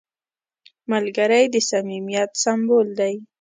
ملګری د صمیمیت سمبول دی